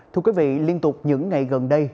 thưa quý vị liên tục những ngày gần đây